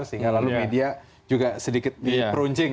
sehingga lalu media juga sedikit diperuncing